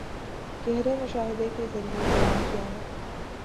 گہرے مشاہدے کے ذریعے بیان کیا ہے